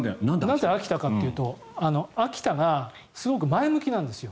なんで秋田かというと秋田がすごく前向きなんですよ。